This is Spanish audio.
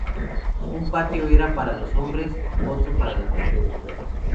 Un patio era para los hombres, otro para las mujeres.